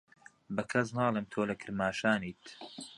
بە کەس ناڵێم تۆ لە کرماشانیت.